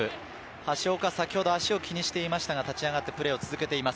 橋岡、先ほど足を気にしていましたが、立ち上がってプレーを続けています。